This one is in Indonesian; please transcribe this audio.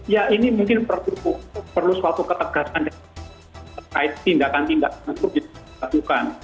ya ini mungkin perlu suatu ketegasan terkait tindakan tindakan itu dilakukan